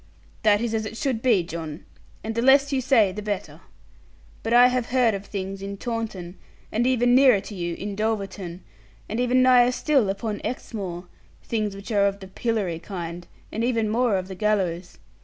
'That is as it should be, John. And the less you say the better. But I have heard of things in Taunton, and even nearer to you in Dulverton, and even nigher still upon Exmoor; things which are of the pillory kind, and even more of the gallows.